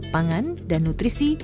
pangan dan nutrisi